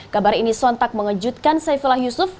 kabar ini sontak mengejutkan saifullah yusuf